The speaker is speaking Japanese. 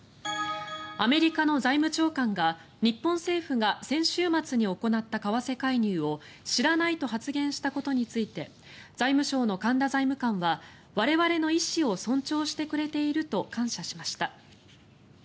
アメリカの財務長官が日本政府が先週末に行った為替介入を知らないと発言したことについて財務省の神田財務官は我々の意思を尊重してくれていると感謝しました。